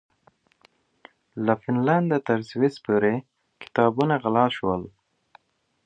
له فنلنډه تر سويس پورې کتابونه غلا شول.